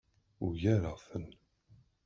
Ugareɣ-ten.